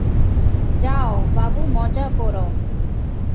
যাও, বাবু মজা করো।